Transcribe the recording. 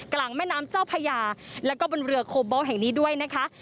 กลางแม่น้ำเจ้าพญาแล้วก็บนเรือโคบอลแห่งนี้ด้วยนะคะ